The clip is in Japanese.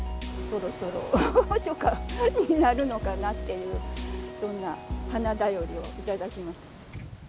そろそろ初夏になるのかなっていう、そんな花だよりを頂きました。